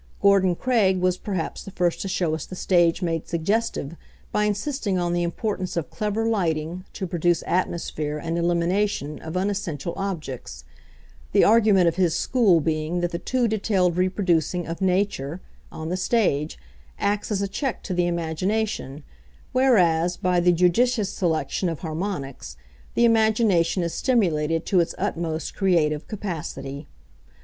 Gordon Craig was perhaps the first to show us the stage made suggestive by insisting on the importance of clever lighting to produce atmosphere and elimination of unessential objects, the argument of his school being that the too detailed reproducing of Nature (on the stage) acts as a check to the imagination, whereas by the judicious selection of harmonics, the imagination is stimulated to its utmost creative capacity.